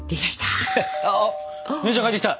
あっ姉ちゃん帰ってきた。